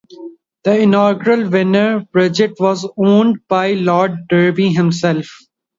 The inaugural winner, Bridget, was owned by Lord Derby himself.